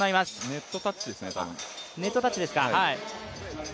ネットタッチですね、多分。